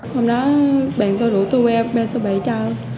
hôm đó bạn tôi đủ tôi quen bên số bảy chào